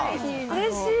うれしい。